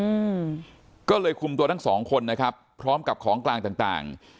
อืมก็เลยคุมตัวทั้งสองคนนะครับพร้อมกับของกลางต่างต่าง